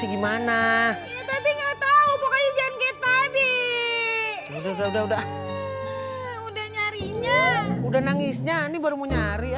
udah udah udah udah udah nyari udah nangis nyari baru mau nyari ya